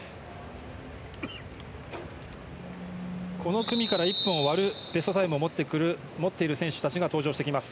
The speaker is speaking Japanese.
この組から１分を割るベストタイムを持っている選手たちが登場してきます。